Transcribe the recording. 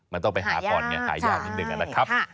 มันต้องไปหาก่อนเนี่ยหายากนิดนึงอันนั้นครับ